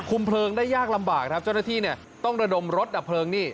เพลิงได้ยากลำบากครับเจ้าหน้าที่เนี่ยต้องระดมรถดับเพลิงนี่